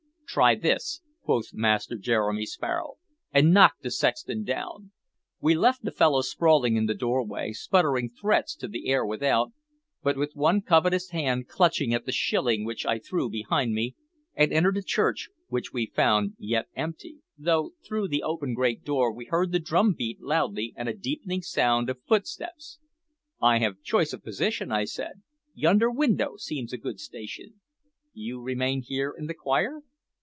"Try this," quoth Master Jeremy Sparrow, and knocked the sexton down. We left the fellow sprawling in the doorway, sputtering threats to the air without, but with one covetous hand clutching at the shilling which I threw behind me, and entered the church, which we found yet empty, though through the open great door we heard the drum beat loudly and a deepening sound of footsteps. "I have choice of position," I said. "Yonder window seems a good station. You remain here in the choir?"